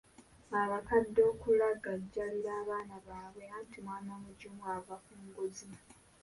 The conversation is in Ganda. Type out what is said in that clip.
Abakadde okulagajjalira abaana baabwe, anti mwana mugimu ava ku ngozi.